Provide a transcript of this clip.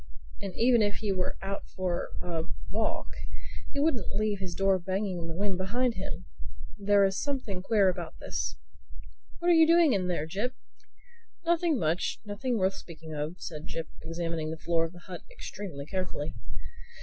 "And even if he were out for a walk he wouldn't leave his door banging in the wind behind him. There is something queer about this—What are you doing in there, Jip?" "Nothing much—nothing worth speaking of," said Jip examining the floor of the hut extremely carefully.